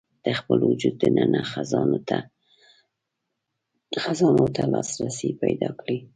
د خپل وجود دننه خزانو ته لاسرسی پيدا کړي.